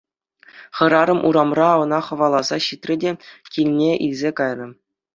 Хӗрарӑм урамра ӑна хӑваласа ҫитрӗ те килне илсе кайрӗ.